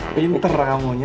pinter kamu nya